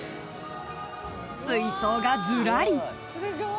［水槽がずらり］